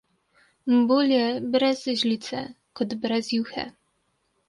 Bolje brez žlice kot brez juhe.